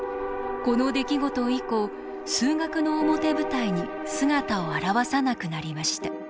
この出来事以降数学の表舞台に姿を現さなくなりました。